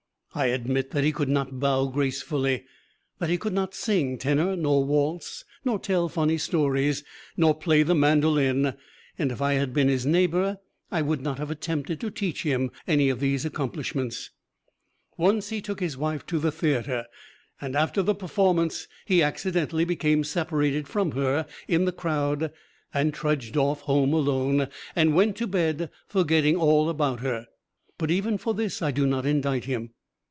I admit that he could not bow gracefully; that he could not sing tenor, nor waltz, nor tell funny stories, nor play the mandolin; and if I had been his neighbor I would not have attempted to teach him any of these accomplishments. Once he took his wife to the theater; and after the performance he accidentally became separated from her in the crowd and trudged off home alone and went to bed forgetting all about her but even for this I do not indict him.